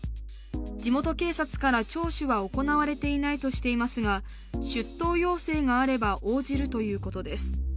地元警察から聴取は行われていないとしていますが出頭要請があれば応じるということです。